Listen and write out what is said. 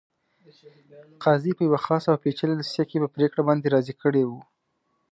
قاضي په یوه خاصه او پېچلې دوسیه کې په پرېکړه باندې راضي کړی وو.